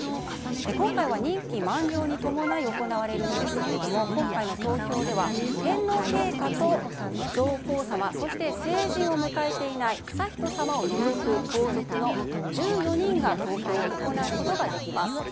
今回は任期満了に伴い行われるんですが今回の投票では天皇陛下と上皇さまそして、成人を迎えていない悠仁さまを除く皇族の１４人が投票を行うことができます。